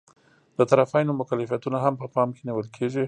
د طرفینو مکلفیتونه هم په پام کې نیول کیږي.